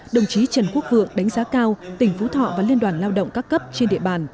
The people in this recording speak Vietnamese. đồng chí trần quốc vượng đánh giá cao tỉnh phú thọ và liên đoàn lao động các cấp trên địa bàn